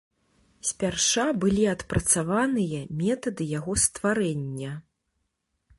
Спярша былі адпрацаваныя метады яго стварэння.